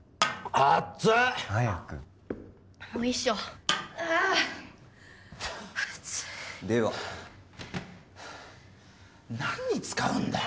暑いでは何に使うんだよ？